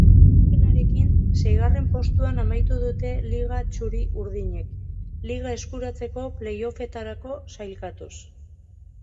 Garaipenarekin seigarren postuan amaitu dute liga txuri-urdinek liga eskuratzeko play off-etarako sailkatuz.